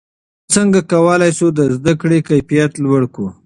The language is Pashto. څنګه کولای شو د زده کړې کیفیت لوړ کړو؟